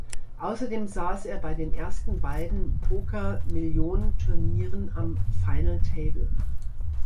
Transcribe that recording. Außerdem saß er bei den ersten beiden Poker Million-Turnieren am "Final Table".